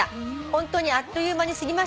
ホントにあっという間に過ぎました」